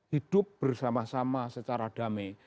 hidup bersama sama secara damai